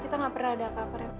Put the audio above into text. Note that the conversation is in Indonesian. kita nggak pernah ada apa apa